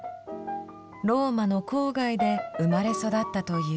ローマの郊外で生まれ育ったという。